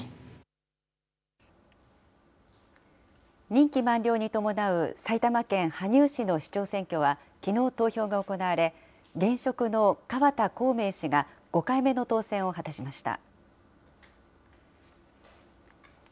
任期満了に伴う埼玉県羽生市の市長選挙は、きのう投票が行われ、現職の河田晃明氏が５回目の当選を果たしました。